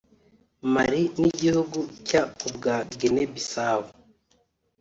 Mali n’igihugu cya Ku bwa Guinea-Bissau